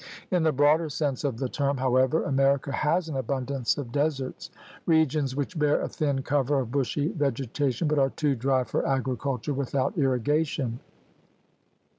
In the broader sense of the term, however, America has an abundance of des erts — regions which bear a thin cover of bushy vegetation but are too dry for agriculture without irrigation.